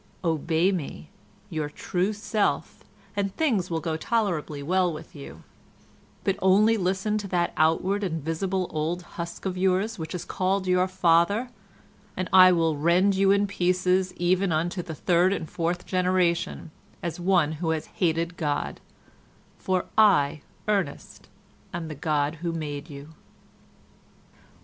Obey me, your true self, and things will go tolerably well with you, but only listen to that outward and visible old husk of yours which is called your father, and I will rend you in pieces even unto the third and fourth generation as one who has hated God; for I, Ernest, am the God who made you."